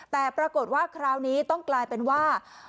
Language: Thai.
แต่ปรากฏว่าคราวนี้ต้องกลายเป็นว่า